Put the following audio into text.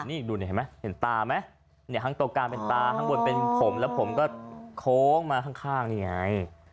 นี่ดูนี่เห็นไหมเห็นตาไหมเนี่ยข้างตัวกลางเป็นตาข้างบนเป็นผมแล้วผมก็โค้งมาข้างนี่ไง